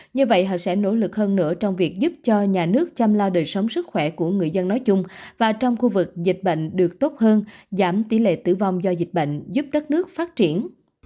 như vậy họ sẽ nỗ lực hơn nữa trong việc giúp cho nhà nước chăm lo đời sống sức khỏe của người dân nói chung và trong khu vực dịch bệnh được tốt hơn giảm tỷ lệ tử vong do dịch bệnh giúp đất nước phát triển